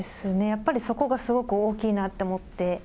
やっぱりそこがすごく大きいなって思って。